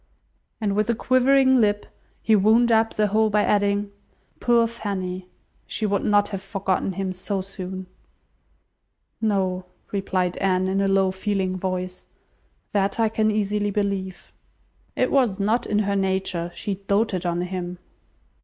And with a quivering lip he wound up the whole by adding, "Poor Fanny! she would not have forgotten him so soon!" "No," replied Anne, in a low, feeling voice. "That I can easily believe." "It was not in her nature. She doted on him."